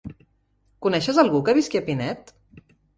Coneixes algú que visqui a Pinet?